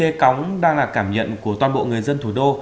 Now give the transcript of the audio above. cái cống đang là cảm nhận của toàn bộ người dân thủ đô